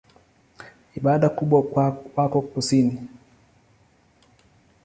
Idadi kubwa wako kusini.